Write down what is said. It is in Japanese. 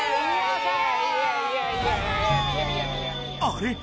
あれ？